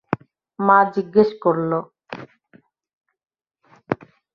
মা জিজ্ঞেস করলো।